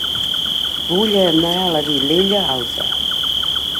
Vull anar a La Vilella Alta